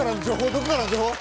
どこからの情報？